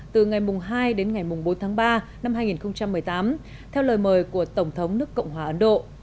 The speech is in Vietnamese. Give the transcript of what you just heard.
từ ngày hai đến ngày bốn tháng ba năm hai nghìn một mươi tám theo lời mời của tổng thống nước cộng hòa ấn độ